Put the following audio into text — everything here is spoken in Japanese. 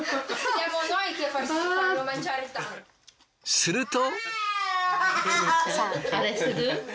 すると。